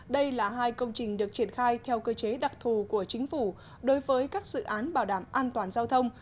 đây là hai công trình được triển khai theo cơ chế đặc thù của chính phủ đối với các dự án bảo đảm an toàn giao thông